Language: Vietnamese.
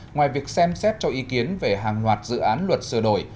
ngoài việc xem xét cho ý kiến về hàng loạt dự án luật sửa đổi